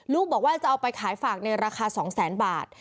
บอกว่าจะเอาไปขายฝากในราคา๒๐๐๐๐บาท